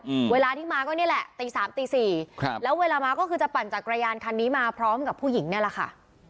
อืมเวลาที่มาก็นี่แหละตีสามตีสี่ครับแล้วเวลามาก็คือจะปั่นจักรยานคันนี้มาพร้อมกับผู้หญิงเนี่ยแหละค่ะ